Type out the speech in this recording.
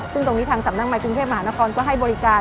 ซึ่งตรงนี้ทางสำนักใหม่กรุงเทพมหานครก็ให้บริการ